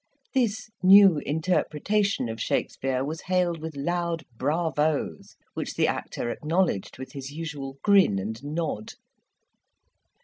This new interpretation of Shakspeare was hailed with loud bravos, which the actor acknowledged with his usual grin and nod.